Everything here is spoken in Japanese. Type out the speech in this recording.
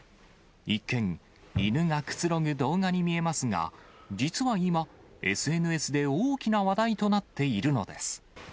一見、犬がくつろぐ動画に見えますが、実は今、ＳＮＳで大きな話題となっているのです。